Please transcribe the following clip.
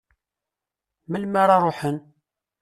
Melmi ara ruḥen?